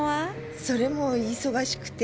それも忙しくて。